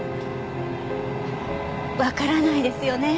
わからないですよね